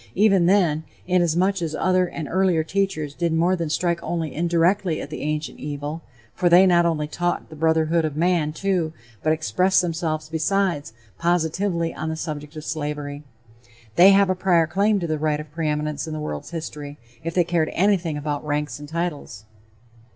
Even then, inasmuch as other and earlier teachers did more than strike only indirectly at the ancient evil, for they not only taught the brotherhood of man, too, but expressed themselves, besides, positively on the subject of slavery, they have a prior claim to the "right of preeminence" in the world's history, if they cared anything about ranks and titles.